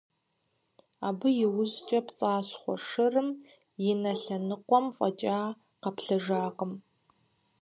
Абы и ужькӀэ пцӀащхъуэ шырым и нэ лъэныкъуэм фӀэкӀа къэплъэжакъым.